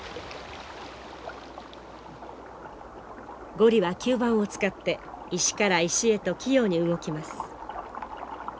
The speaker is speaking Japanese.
ゴリは吸盤を使って石から石へと器用に動きます。